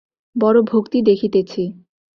বড়ো ভক্তি দেখিতেছি।